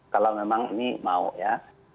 kalau memang ini mau ya